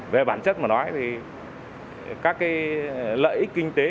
về bản chất mà nói thì